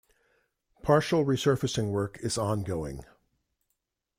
Partial resurfacing work is ongoing.